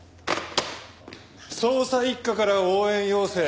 捜査一課から応援要請。